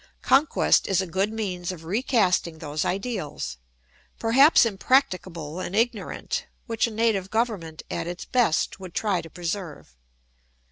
Conquest is a good means of recasting those ideals, perhaps impracticable and ignorant, which a native government at its best would try to preserve.